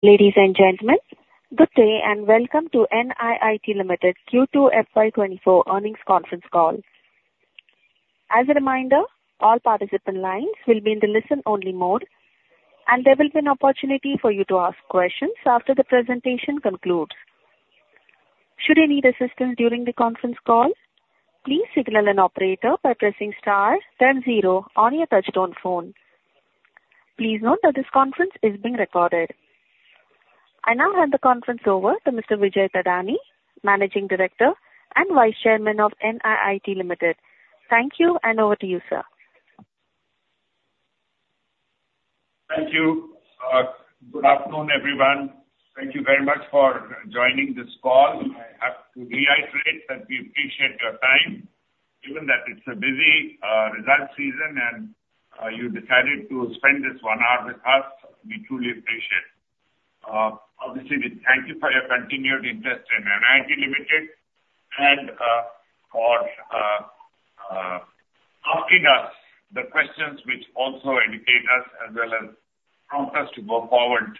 Ladies and gentlemen, good day, and welcome to NIIT Limited Q2 FY 2024 Earnings Conference Call. As a reminder, all participant lines will be in the listen-only mode, and there will be an opportunity for you to ask questions after the presentation concludes. Should you need assistance during the conference call, please signal an operator by pressing star then zero on your touchtone phone. Please note that this conference is being recorded. I now hand the conference over to Mr. Vijay K. Thadani, Managing Director and Vice Chairman of NIIT Limited. Thank you, and over to you, sir. Thank you. Good afternoon, everyone. Thank you very much for joining this call. I have to reiterate that we appreciate your time, given that it's a busy result season, and you decided to spend this one hour with us. We truly appreciate. Obviously, we thank you for your continued interest in NIIT Limited and for asking us the questions which also educate us as well as prompt us to go forward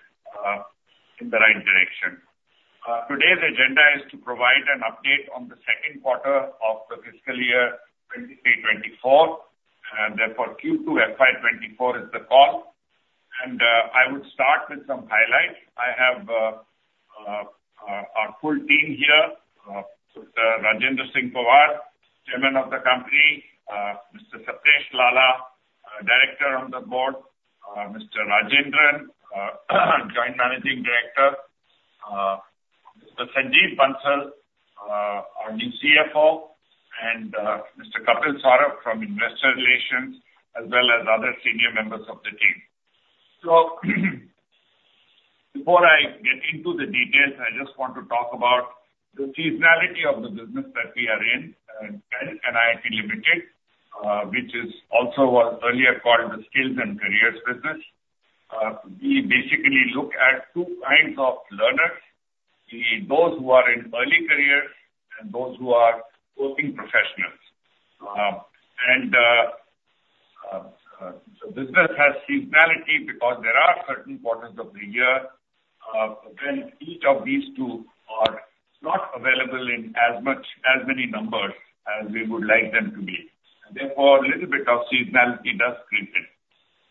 in the right direction. Today's agenda is to provide an update on the second quarter of the fiscal year 2023-2024, and therefore Q2 FY 2024 is the call. And I would start with some highlights. I have our full team here, Mr. Rajendra Singh Pawar, Chairman of the company, Mr. Sapnesh Lalla, Director on the board, Mr. Rajendran, Joint Managing Director, Mr. Sanjeev Bansal, our new CFO, and, Mr. Kapil Saurabh from Investor Relations, as well as other senior members of the team. So before I get into the details, I just want to talk about the seasonality of the business that we are in, at NIIT Limited, which is also was earlier called the Skills and Careers Business. We basically look at two kinds of learners, those who are in early careers and those who are working professionals. And, so business has seasonality because there are certain quarters of the year, when each of these two are not available in as much, as many numbers as we would like them to be. And therefore, a little bit of seasonality does creep in.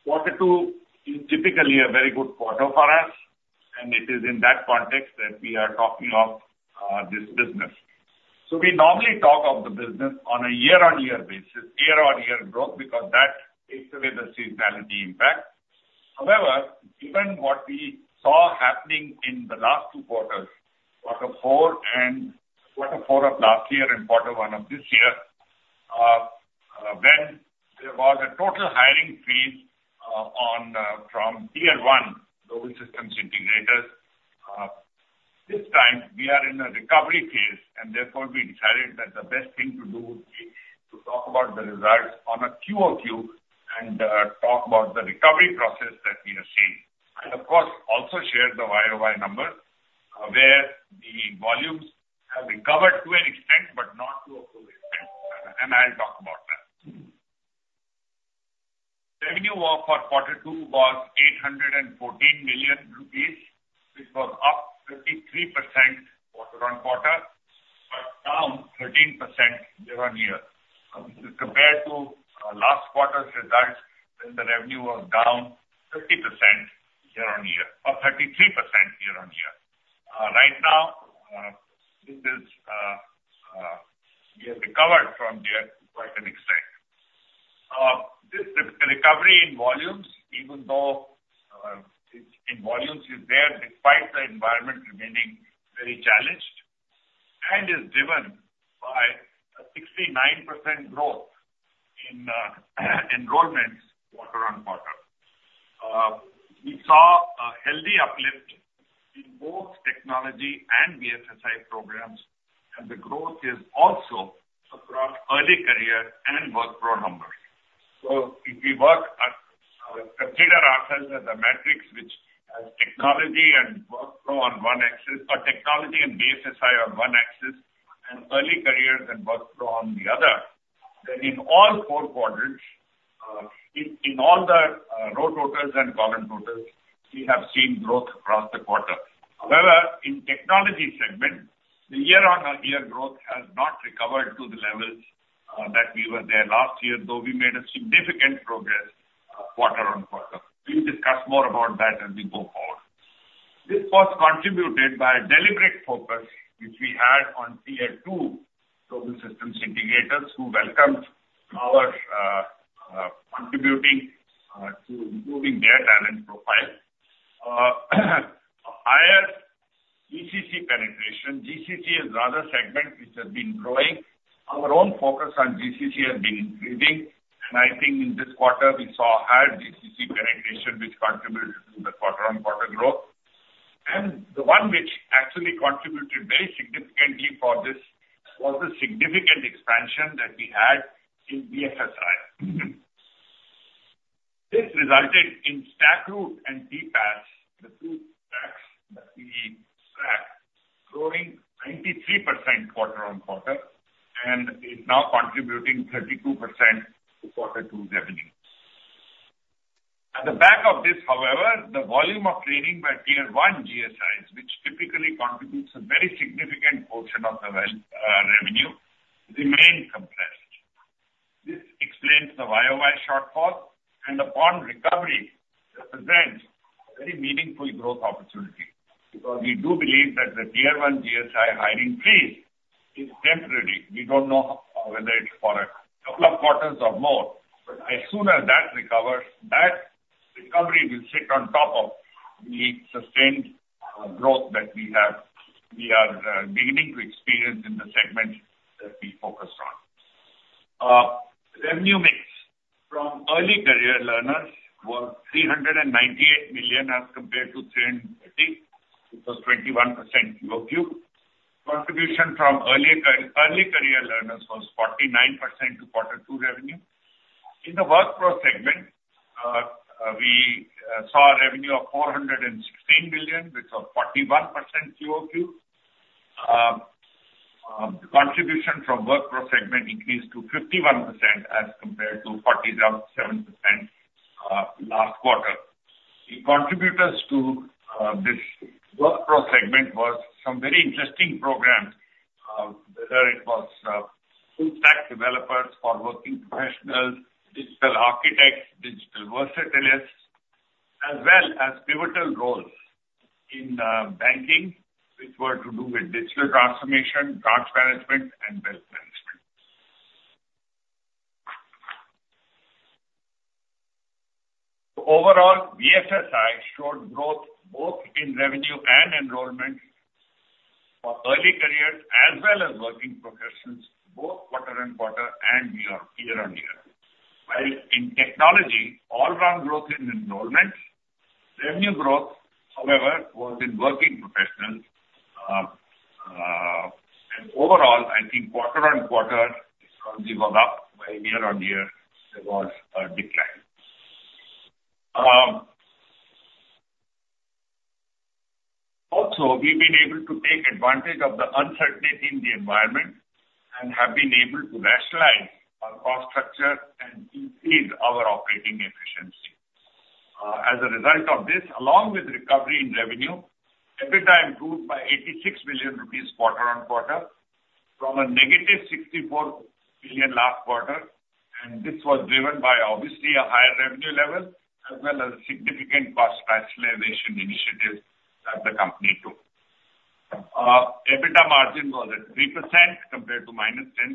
Quarter two is typically a very good quarter for us, and it is in that context that we are talking of, this business. So we normally talk of the business on a year-on-year basis, year-on-year growth, because that takes away the seasonality impact. However, given what we saw happening in the last two quarters, quarter four and quarter four of last year and quarter one of this year, when there was a total hiring freeze, on from Tier 1 global systems integrators, this time we are in a recovery phase, and therefore, we decided that the best thing to do would be to talk about the results on a Q-O-Q and, talk about the recovery process that we are seeing. Of course, also share the Y-O-Y numbers, where the volumes have recovered to an extent, but not to a full extent, and I'll talk about that. Revenue for quarter two was 814 million rupees, which was up 33% quarter-over-quarter, but down 13% year-over-year. Compared to last quarter's results, when the revenue was down 50% year-over-year or 33% year-over-year. Right now, we have recovered from there to quite an extent. This recovery in volumes, even though it in volumes is there despite the environment remaining very challenged and is driven by a 69% growth in enrollments quarter-over-quarter. We saw a healthy uplift in both Technology and BFSI programs, and the growth is also across Early Career and Work Pro numbers. So if we consider ourselves as a matrix which has Technology and Work Pro on one axis, or technology and BFSI on one axis, and early careers and Work Pro on the other, then in all four quadrants, in all the row totals and column totals, we have seen growth across the quarter. However, in technology segment, the year-on-year growth has not recovered to the levels that we were there last year, though we made a significant progress quarter-on-quarter. We will discuss more about that as we go forward. This was contributed by a deliberate focus which we had on Tier 2 global system integrators, who welcomed our contributing to improving their talent profile. Higher GCC penetration. GCC is another segment which has been growing. Our own focus on GCC has been increasing, and I think in this quarter we saw higher GCC penetration, which contributed to the quarter-on-quarter growth. The one which actually contributed very significantly for this was the significant expansion that we had in BFSI. This resulted in StackRoute and TPaaS, the two stacks growing 93% quarter-on-quarter, and is now contributing 32% to quarter two's revenue. At the back of this, however, the volume of training by Tier 1 GSIs, which typically contributes a very significant portion of the revenue, remain compressed. This explains the Y-O-Y shortfall, and upon recovery, represents a very meaningful growth opportunity, because we do believe that the Tier 1 GSI hiring freeze is temporary. We don't know whether it's for a couple of quarters or more, but as soon as that recovers, that recovery will sit on top of the sustained, growth that we have we are beginning to experience in the segments that we focus on. Revenue mix from Early Career learners was 398 million, as compared to 330 million. It was 21% Q-O-Q. Contribution from early career learners was 49% to quarter two revenue. In the Work Pro segment, we saw a revenue of 416 billion, which was 41% Q-O-Q. The contribution from Work Pro segment increased to 51% as compared to 47%, last quarter. The contributors to this Work Pro segment was some very interesting programs, whether it was full stack developers for working professionals, Digital Architects, Digital Versatilists, as well as pivotal roles in banking, which were to do with digital transformation, risk management, and wealth management. So overall, BFSI showed growth both in revenue and enrollment for Early Careers as well as working professionals, both quarter-on-quarter and year-on-year. While in Technology, all round growth in enrollment, revenue growth, however, was in working professional. And overall, I think quarter-on-quarter, revenue was up, while year-on-year there was a decline. Also, we've been able to take advantage of the uncertainty in the environment and have been able to rationalize our cost structure and increase our operating efficiency. As a result of this, along with recovery in revenue, EBITDA improved by 86 million rupees quarter-over-quarter, from a negative 64 billion last quarter, and this was driven by, obviously, a higher revenue level as well as significant cost rationalization initiatives that the company took. EBITDA margin was at 3% compared to -10%.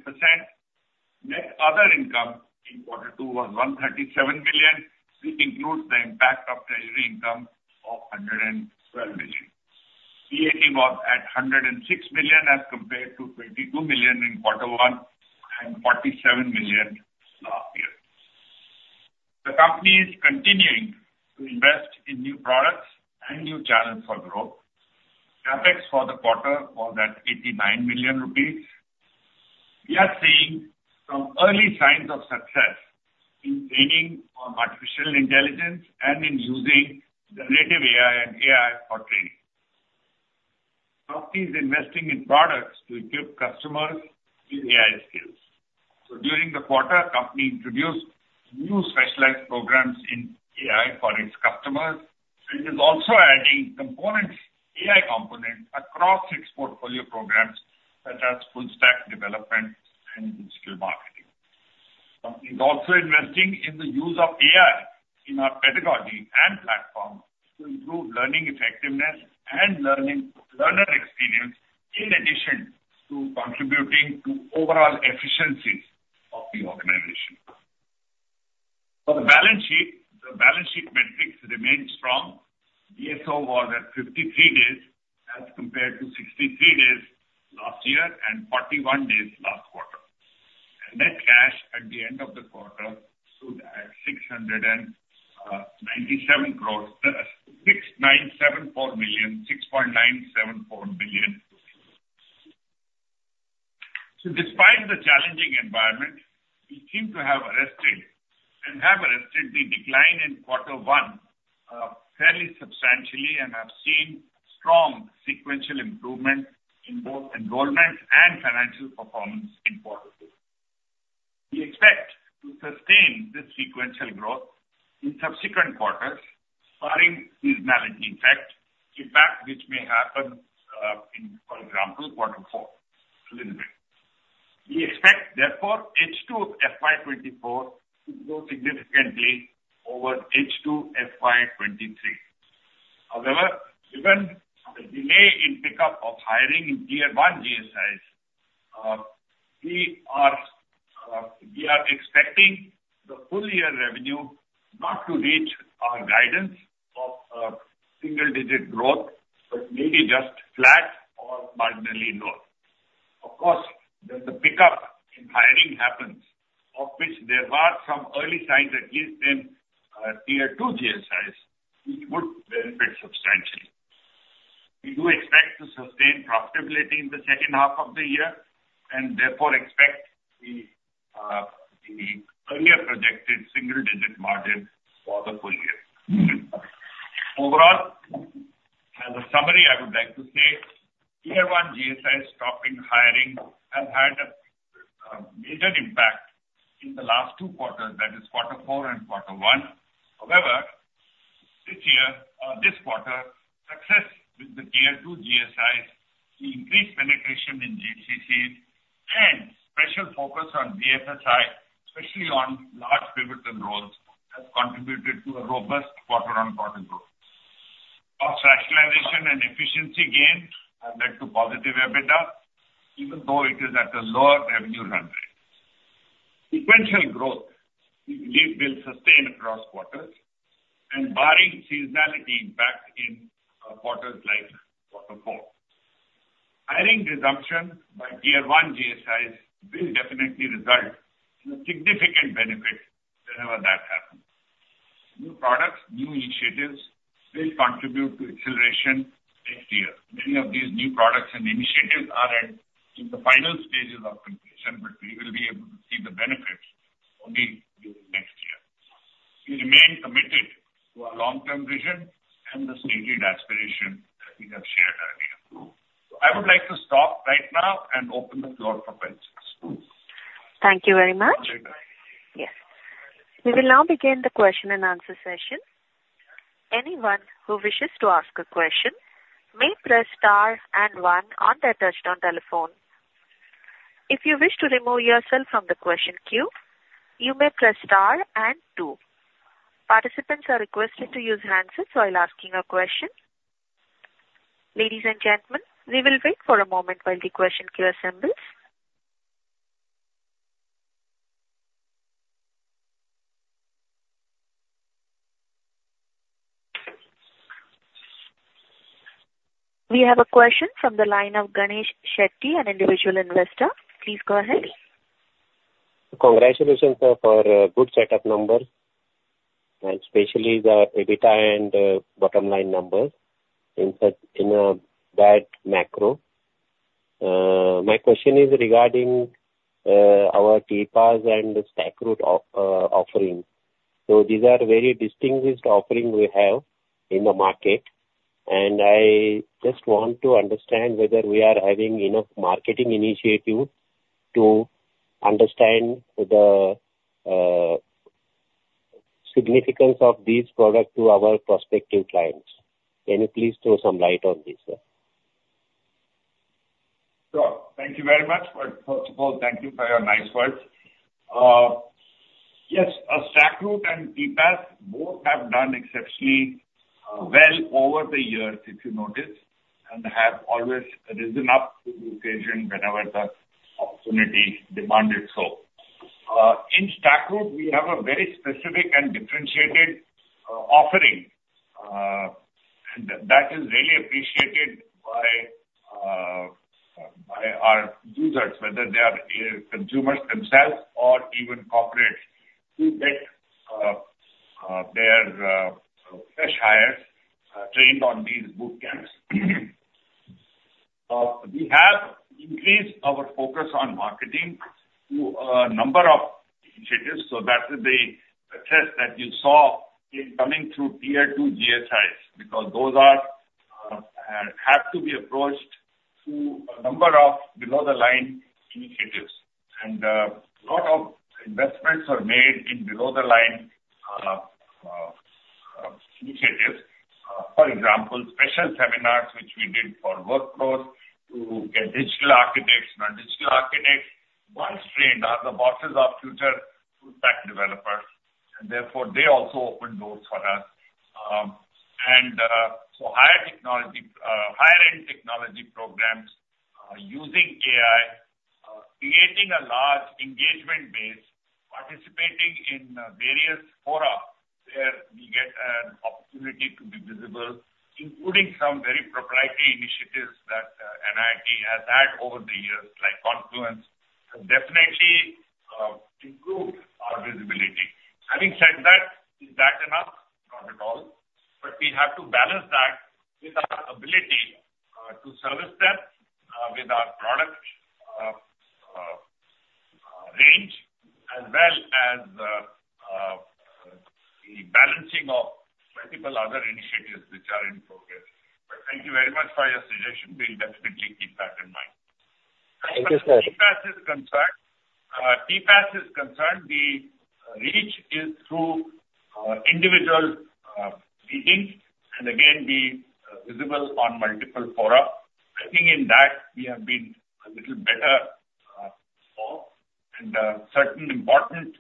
Net other income in quarter two was 137 billion. This includes the impact of treasury income of 112 billion. PAT was at 106 billion, as compared to 22 billion in quarter one and 47 billion last year. The company is continuing to invest in new products and new channels for growth. CapEx for the quarter was at 89 million rupees. We are seeing some early signs of success in training on artificial intelligence and in using generative AI and AI for training. Company is investing in products to equip customers with AI skills. So during the quarter, company introduced new specialized programs in AI for its customers, and is also adding components, AI components, across its portfolio programs, such as full stack development and digital marketing. Company is also investing in the use of AI in our pedagogy and platform to improve learning effectiveness and learning, learner experience, in addition to contributing to overall efficiencies of the organization. For the balance sheet, the balance sheet metrics remain strong. DSO was at 53 days, as compared to 63 days last year and 41 days last quarter. Net cash at the end of the quarter stood at 697 crore, 6,974 million, 6.974 billion. So despite the challenging environment, we seem to have arrested and have arrested the decline in quarter one fairly substantially, and have seen strong sequential improvement in both enrollment and financial performance in quarter two. We expect to sustain this sequential growth in subsequent quarters, barring seasonality impact which may happen in, for example, quarter four a little bit. We expect, therefore, H2 FY 2024 to grow significantly over H2 FY 2023. However, given the delay in pickup of hiring in Tier 1 GSIs, we are, we are expecting the full year revenue not to reach our guidance of a single digit growth, but maybe just flat or marginally low. Of course, when the pickup in hiring happens, of which there are some early signs, at least in tier two GSIs, we would benefit substantially. We do expect to sustain profitability in the second half of the year, and therefore expect in the earlier projected single digit margin for the full year. Overall, as a summary, I would like to say, Tier 1 GSIs stopping hiring have had a major impact in the last two quarters, that is quarter four and quarter one. However, this year, this quarter, success with the Tier 2 GSIs, the increased penetration in GCC and special focus on BFSI, especially on large pivotal roles, has contributed to a robust quarter-over-quarter growth. Cost rationalization and efficiency gain have led to positive EBITDA, even though it is at a lower revenue run rate. Sequential growth, we believe, will sustain across quarters and barring seasonality impact in quarters like quarter four. Hiring reduction by Tier 1 GSIs will definitely result in a significant benefit whenever that happens. New products, new initiatives will contribute to acceleration next year. Many of these new products and initiatives are at, in the final stages of completion, but we will be able to see the benefits only during next year. We remain committed to our long-term vision and the stated aspiration that we have shared earlier. So I would like to stop right now and open the floor for questions. Thank you very much. Yes. We will now begin the question and answer session. Anyone who wishes to ask a question may press star and one on their touchtone telephone. If you wish to remove yourself from the question queue, you may press star and two. Participants are requested to use handsets while asking a question. Ladies and gentlemen, we will wait for a moment while the question queue assembles. We have a question from the line of Ganesh Shetty, an individual investor. Please go ahead. Congratulations, sir, for a good set of numbers, and especially the EBITDA and bottom line numbers in such a bad macro. My question is regarding our TPaaS and the StackRoute offering. So these are very distinguished offering we have in the market, and I just want to understand whether we are having enough marketing initiative to understand the significance of these products to our prospective clients. Can you please throw some light on this, sir? Sure. Thank you very much. But first of all, thank you for your nice words. Yes, StackRoute and TPaaS both have done exceptionally well over the years, if you noticed, and have always risen up to the occasion whenever the opportunity demanded so. In StackRoute, we have a very specific and differentiated offering, and that is really appreciated by our users, whether they are consumers themselves or even corporate, who get their fresh hires trained on these boot camps. We have increased our focus on marketing through a number of initiatives, so that is the test that you saw in coming through Tier 2 GSIs, because those have to be approached through a number of below-the-line initiatives. And, a lot of investments were made in below-the-line initiatives. For example, special seminars which we did for Work Pros to get digital architects. Now, digital architects, once trained, are the bosses of future full-stack developers, and therefore they also open doors for us. So higher technology, higher-end technology programs, using AI, creating a large engagement base, participating in various fora, where we get an opportunity to be visible, including some very proprietary initiatives that NIIT has had over the years, like Confluence, have definitely improved our visibility. Having said that, is that enough? Not at all. But we have to balance that with our ability to service them with our product range, as well as the balancing of multiple other initiatives which are in progress. But thank you very much for your suggestion. We'll definitely keep that in mind. Thank you, sir. As far as TPaaS is concerned, the reach is through individual meetings and again, being visible on multiple fora. I think in that we have been a little better, so and certain important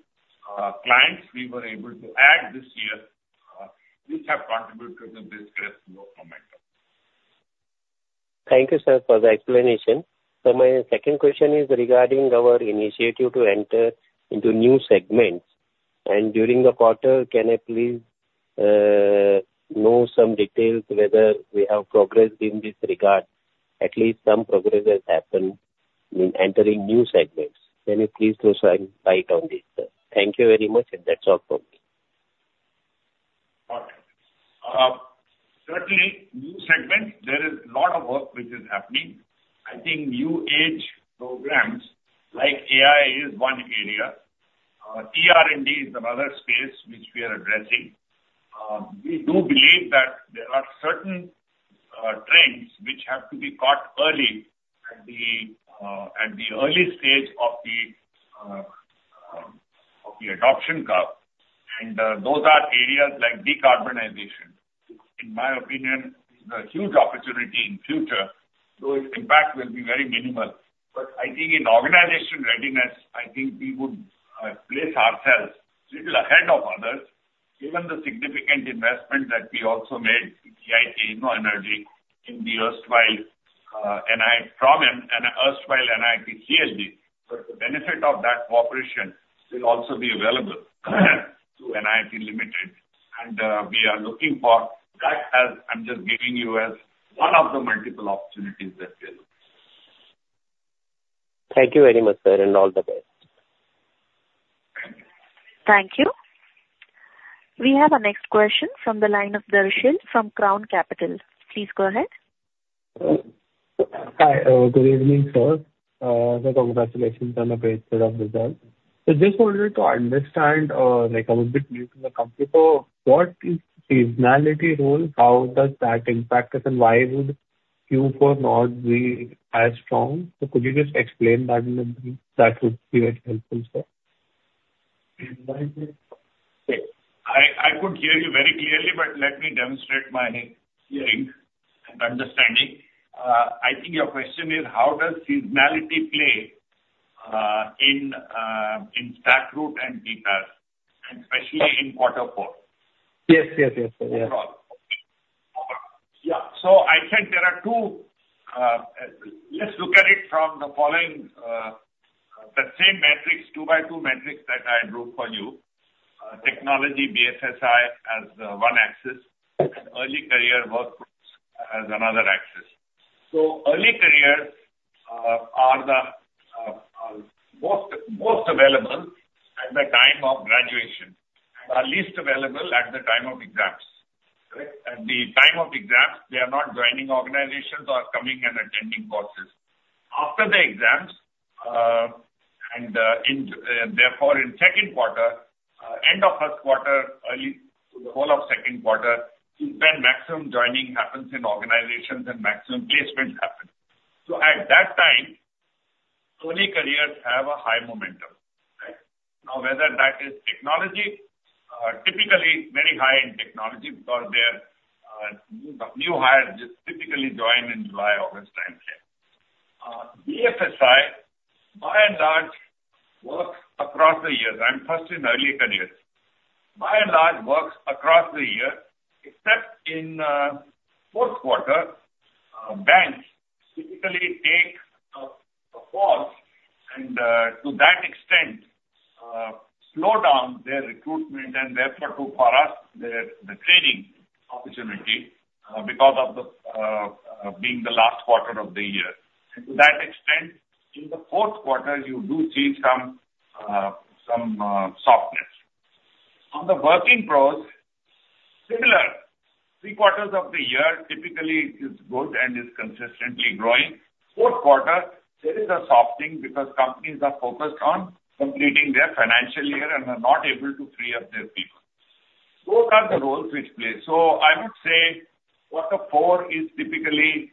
clients we were able to add this year, which have contributed to this growth momentum. Thank you, sir, for the explanation. So my second question is regarding our initiative to enter into new segments. During the quarter, can I please know some details whether we have progressed in this regard? At least some progress has happened in entering new segments. Can you please throw some light on this, sir? Thank you very much. That's all from me. Definitely, new segment, there is a lot of work which is happening. I think new age programs like AI is one area. ER&D is another space which we are addressing. We do believe that there are certain trends which have to be caught early at the early stage of the adoption curve, and those are areas like decarbonization. In my opinion, is a huge opportunity in future, though its impact will be very minimal. But I think in organizational readiness, I think we would place ourselves little ahead of others, given the significant investment that we also made in EIT InnoEnergy, in the erstwhile NIIT and erstwhile NIIT CLG. But the benefit of that cooperation will also be available to NIIT Limited, and we are looking for that, as I'm just giving you as one of the multiple opportunities that we have. Thank you very much, sir, and all the best. Thank you. We have our next question from the line of Darshan from Crown Capital. Please go ahead. Hi, good evening, sir. Congratulations on a great set of results. I just wanted to understand, like I'm a bit new to the company, so what is seasonality role, how does that impact us, and why would Q4 not be as strong? Could you just explain that a little? That would be very helpful, sir. I could hear you very clearly, but let me demonstrate my hearing and understanding. I think your question is, how does seasonality play in StackRoute and details, and especially in quarter four? Yes sir. Yes. Yeah. So I think there are two. Let's look at it from the following, the same metrics, two by two metrics that I drew for you. Technology BFSI as one axis, and early career work as another axis. So early career are the most, most available at the time of graduation, are least available at the time of exams. Right? At the time of exams, they are not joining organizations or coming and attending courses. After the exams, and in, therefore, in second quarter, end of first quarter, early whole of second quarter, is when maximum joining happens in organizations and maximum placements happen. So at that time, early careers have a high momentum, right? Now, whether that is technology, typically very high in technology, because they're new hires just typically join in July, August time frame. BFSI, by and large, works across the years, and first in early careers. By and large, works across the year, except in fourth quarter, banks typically take a pause and to that extent slow down their recruitment and therefore, for us, the training opportunity because of being the last quarter of the year. And to that extent, in the fourth quarter, you do see some softness. On the working pros, similar, three quarters of the year typically is good and is consistently growing. Fourth quarter, there is a softening because companies are focused on completing their financial year and are not able to free up their people. Those are the roles which play. So I would say quarter four is typically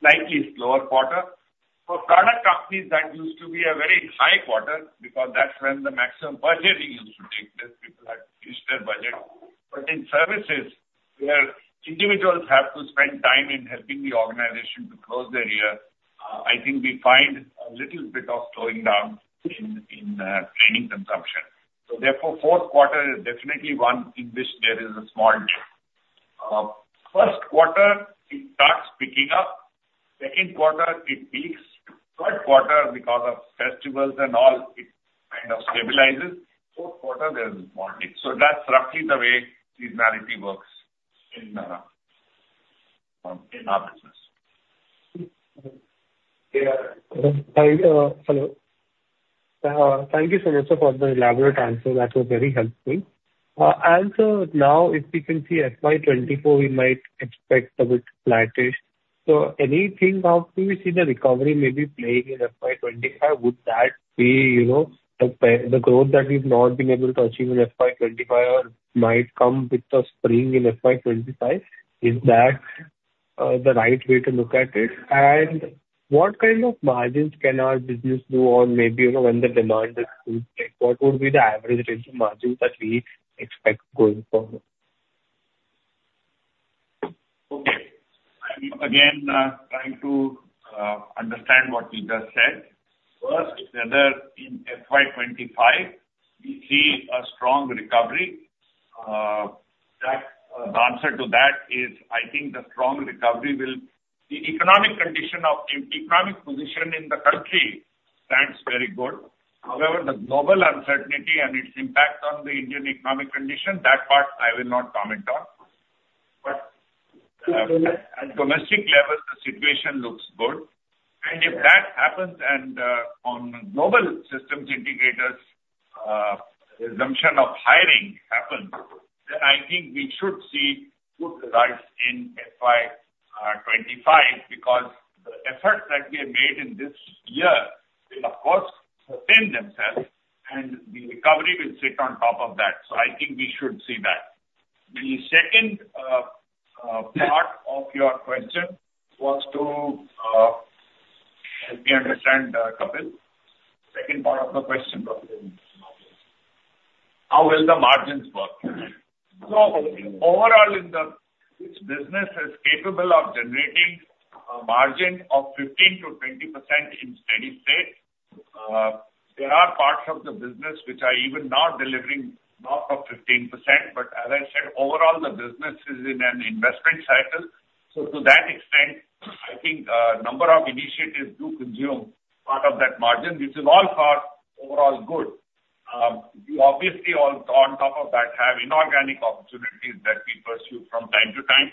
slightly slower quarter. For product companies, that used to be a very high quarter because that's when the maximum budgeting used to take place. People had finished their budget. But in services, where individuals have to spend time in helping the organization to close their year, I think we find a little bit of slowing down in training consumption. So therefore, fourth quarter is definitely one in which there is a small dip. First quarter, it starts picking up. Second quarter, it peaks. Third quarter, because of festivals and all, it kind of stabilizes. Fourth quarter, there is a small dip. So that's roughly the way seasonality works in our business. Yeah. Hello. Thank you so much, sir, for the elaborate answer. That was very helpful. And so now if we can see FY 2024, we might expect a bit flattish. So anything, how do you see the recovery maybe playing in FY 2025? Would that be, you know, the growth that we've not been able to achieve in FY 2025 or might come with the spring in FY 2025? Is that the right way to look at it? And what kind of margins can our business do on maybe, you know, when the demand is good, like, what would be the average range of margins that we expect going forward? Okay. I'm again trying to understand what you just said. First, whether in FY 2025 we see a strong recovery, the answer to that is, I think the strong recovery will. The economic condition of, economic position in the country stands very good. However, the global uncertainty and its impact on the Indian economic condition, that part I will not comment on. But at domestic level, the situation looks good. And if that happens and on global systems integrators the resumption of hiring happens, then I think we should see good results in FY 2025, because the efforts that we have made in this year will, of course, sustain themselves, and the recovery will sit on top of that. So I think we should see that. The second part of your question was to help me understand, Kapil. Second part of the question, how will the margins work? So overall, in the business is capable of generating a margin of 15%-20% in steady state. There are parts of the business which are even now delivering north of 15%, but as I said, overall, the business is in an investment cycle. So to that extent, I think, number of initiatives do consume part of that margin, which is all for overall good. You obviously, on top of that, have inorganic opportunities that we pursue from time to time.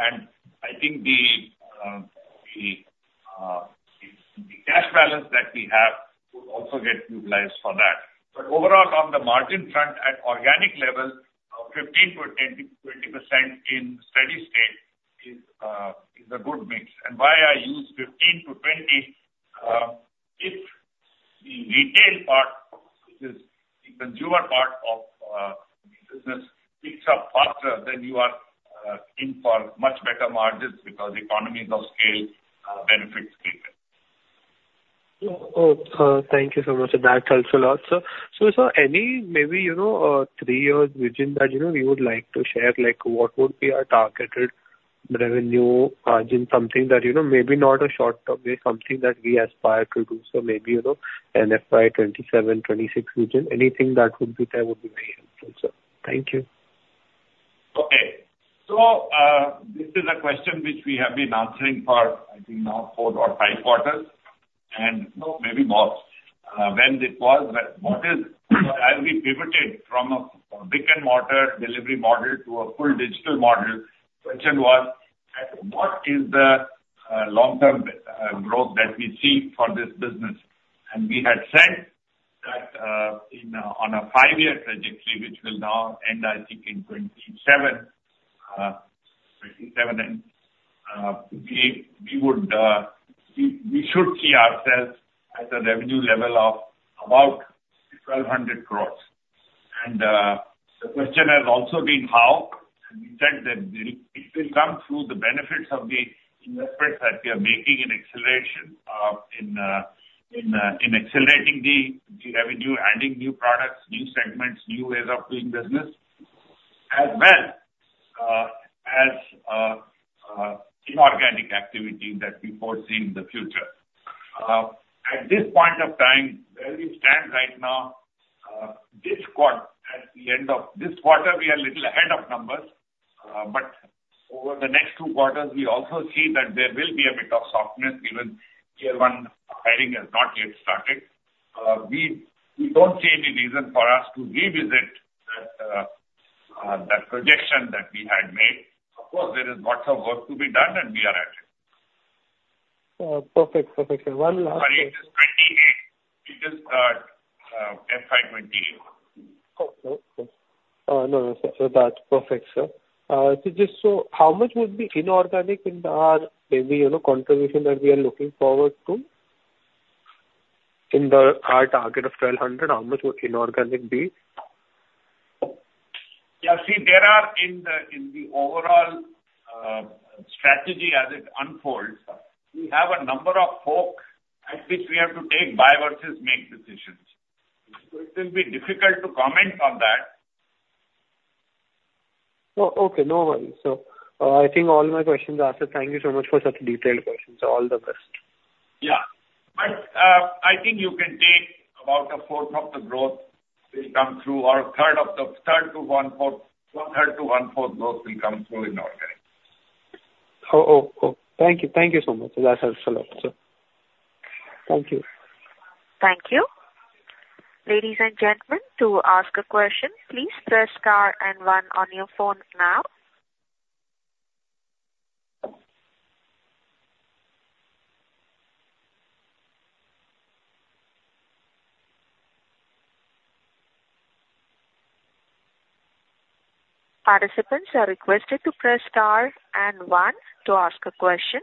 And I think the cash balance that we have will also get utilized for that. But overall, on the margin front, at organic level, 15%-20% in steady state is a good mix. And why I use 15-20, if the retail part, which is the consumer part of the business, picks up faster, then you are in for much better margins because economies of scale benefits scale. Oh, thank you so much. That helps a lot, sir. So, sir, any maybe, you know, three years within that, you know, we would like to share, like, what would be our targeted revenue margin, something that, you know, maybe not a short term, something that we aspire to do. So maybe, you know, an FY 2027, 2026 region. Anything that would be there would be very helpful, sir. Thank you. Okay. So, this is a question which we have been answering for, I think, now four or five quarters, and, no, maybe more. As we pivoted from a brick-and-mortar delivery model to a full digital model, question was, what is the long-term growth that we see for this business? And we had said that, on a five-year trajectory, which will now end, I think, in 2027, we should see ourselves at a revenue level of about 1,200 crores. The question has also been how, and we said that it will come through the benefits of the investments that we are making in acceleration, in accelerating the, the revenue, adding new products, new segments, new ways of doing business, as well, as, inorganic activity that we foresee in the future. At this point of time, where we stand right now, this quarter, at the end of this quarter, we are little ahead of numbers, but over the next two quarters, we also see that there will be a bit of softness, even year one hiring has not yet started. We, we don't see any reason for us to revisit the, that projection that we had made. Of course, there is lots of work to be done, and we are at it. Perfect. Perfect, sir. One last. Sorry, it is 28. We just start, FY 2028. Okay. No, no, sir, that's perfect, sir. So just so how much would be inorganic in our maybe, you know, contribution that we are looking forward to? In our target of 1,200, how much would inorganic be? Yeah, see, there are, in the overall strategy as it unfolds, we have a number of folks at which we have to take buy versus make decisions. So it will be difficult to comment on that. Oh, okay. No worries. So, I think all my questions are answered. Thank you so much for such detailed questions. All the best. Yeah. But I think you can take about a fourth of the growth will come through, or 1/3-1/4 growth will come through in organic. Oh, oh, oh, thank you. Thank you so much. That helps a lot, sir. Thank you. Thank you. Ladies and gentlemen, to ask a question, please press star and one on your phones now. Participants are requested to press star and one to ask a question.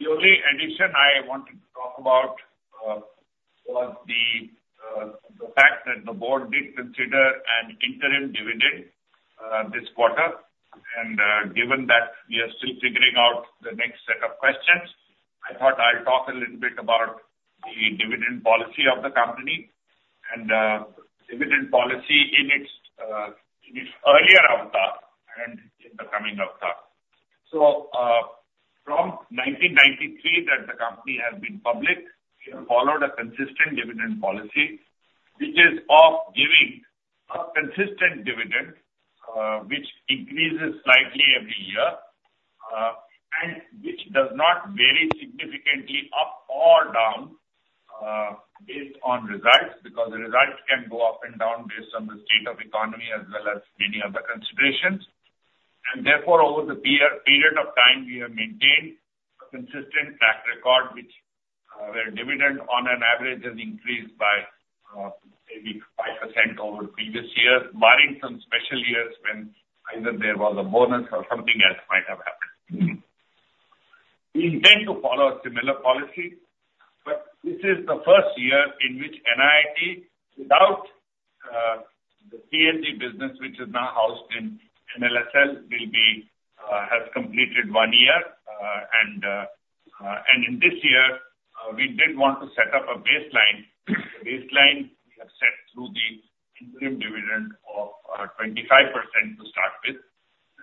The only addition I wanted to talk about was the fact that the board did consider an interim dividend this quarter. Given that we are still figuring out the next set of questions, I thought I'll talk a little bit about the dividend policy of the company and dividend policy in its earlier avatar and in the coming avatar. From 1993, that the company has been public, we have followed a consistent dividend policy, which is of giving a consistent dividend, which increases slightly every year and which does not vary significantly up or down based on results, because the results can go up and down based on the state of economy as well as many other considerations. Therefore, over the period of time, we have maintained a consistent track record, which, where dividend on an average has increased by, maybe 5% over previous years, barring some special years when either there was a bonus or something else might have happened. We intend to follow a similar policy, but this is the first year in which NIIT, without the CLG business, which is now housed in NLSL, will be, has completed one year. And in this year, we did want to set up a baseline. The baseline we have set through the interim dividend of 25% to start with,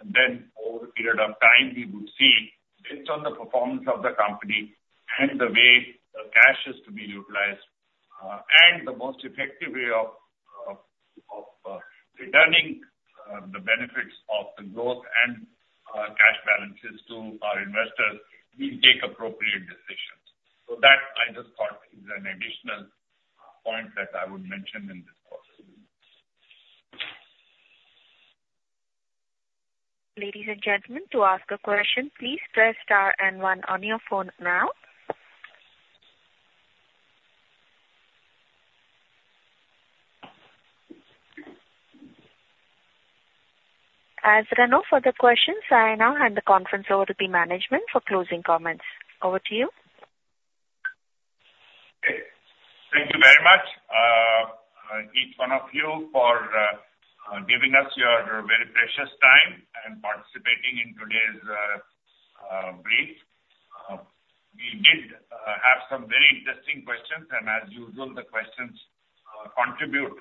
and then over a period of time, we would see based on the performance of the company and the way the cash is to be utilized, and the most effective way of returning the benefits of the growth and cash balances to our investors, we take appropriate decisions. So that, I just thought is an additional point that I would mention in this call. Ladies and gentlemen, to ask a question, please press star and one on your phone now. As there are no further questions, I now hand the conference over to the management for closing comments. Over to you. Okay. Thank you very much, each one of you for giving us your very precious time and participating in today's brief. We did have some very interesting questions, and as usual, the questions contribute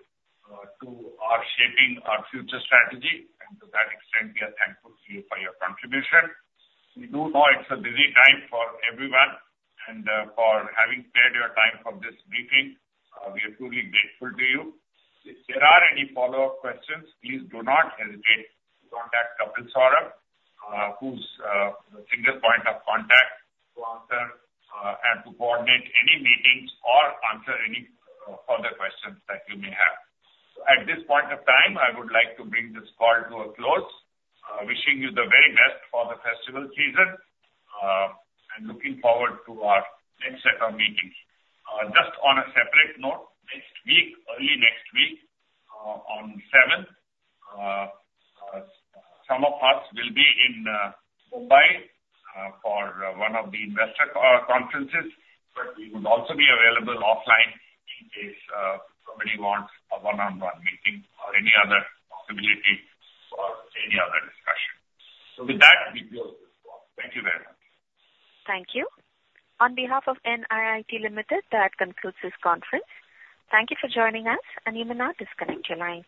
to our shaping our future strategy, and to that extent, we are thankful to you for your contribution. We do know it's a busy time for everyone, and for having spared your time for this meeting, we are truly grateful to you. If there are any follow-up questions, please do not hesitate to contact Kapil Saurabh, who's the single point of contact to answer and to coordinate any meetings or answer any further questions that you may have. So at this point of time, I would like to bring this call to a close. Wishing you the very best for the festival season, and looking forward to our next set of meetings. Just on a separate note, next week, early next week, on seventh, some of us will be in Mumbai for one of the investor conferences, but we would also be available offline in case somebody wants a one-on-one meeting or any other possibility for any other discussion. So with that, we close this call. Thank you very much. Thank you. On behalf of NIIT Limited, that concludes this conference. Thank you for joining us, and you may now disconnect your lines.